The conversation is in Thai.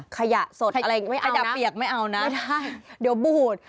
ขยะสดอะไรอย่างงี้ไม่เอานะไม่ได้เดี๋ยวบูหุด